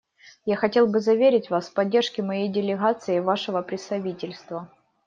Я хотел бы заверить Вас в поддержке моей делегацией Вашего председательства.